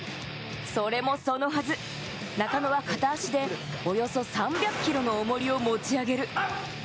それもそのはず、中野は片足でおよそ３００ｋｇの重りを持ち上げる。